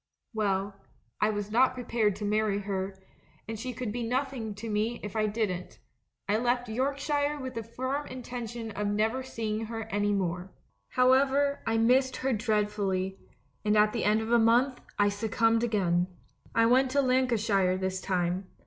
Well, I was not prepared to marry her, and she could be nothing to me if I didn't ; I left York shire with the firm intention of never seeing her any more. "However, I missed her dreadfully, and at the end of a month, I succumbed again. I went to Lancashire this time.